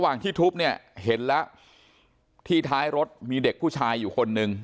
ที่ทุบเนี่ยเห็นแล้วที่ท้ายรถมีเด็กผู้ชายอยู่คนนึง